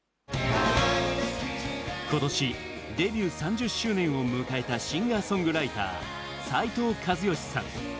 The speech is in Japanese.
今年デビュー３０周年を迎えたシンガーソングライター斉藤和義さん。